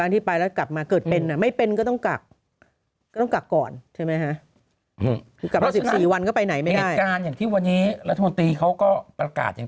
แต่ไม่ได้ก็ยอมทิ้งไปเถอะอันนี้พูดจริง